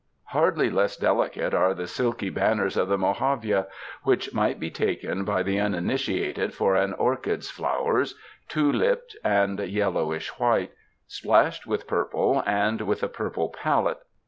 Hardly less delicate are the silky banners of the mohavea, which might be taken b}^ the un initiated for an orchid's flowers — two lipped and yellowish white, splashed with purple and with a purple palate.